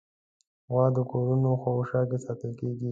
غوا د کورونو شاوخوا کې ساتل کېږي.